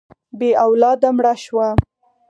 بې اولاده مړه شوه.